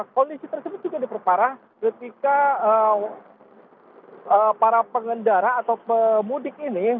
kondisi tersebut juga diperparah ketika para pengendara atau pemudik ini